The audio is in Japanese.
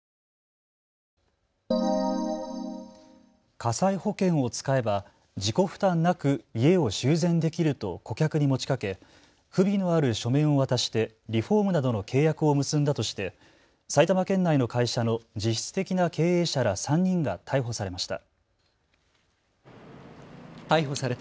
火災保険を使えば自己負担なく家を修繕できると顧客に持ちかけ不備のある書面を渡してリフォームなどの契約を結んだとして埼玉県内の会社の実質的な経営者ら３人が逮捕されました。